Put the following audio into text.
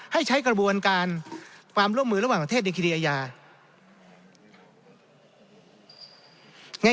ให้ใช้กระบวนการความร่วมมือระหว่างประเทศในคดีอาญา